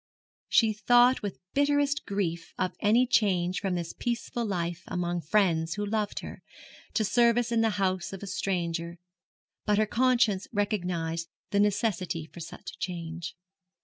She thought with bitterest grief of any change from this peaceful life among friends who loved her, to service in the house of a stranger; but her conscience recognised the necessity for such a change.